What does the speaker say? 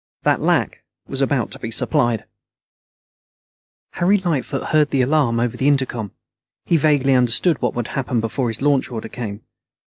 That lack was about to be supplied. Harry Lightfoot heard the alarm over the intercom. He vaguely understood what would happen before his launch order came.